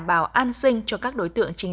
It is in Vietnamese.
đảm bảo an sinh cho các đối tượng chính sách